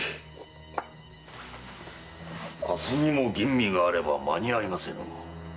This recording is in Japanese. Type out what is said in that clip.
明日にも吟味があれば間に合いませぬ。